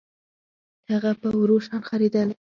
هغه په ورو شان خرېدل